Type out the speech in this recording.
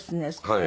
はい。